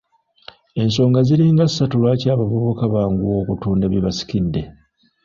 Ensonga ziringa ssatu lwaki abavubuka banguwa okutunda bye basikidde.